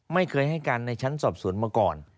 ไม่เคยให้การในชั้นสอบสวนมาก่อน